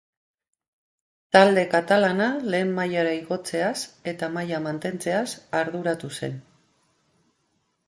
Talde katalana lehen mailara igotzeaz eta maila mantentzeaz arduratu zen.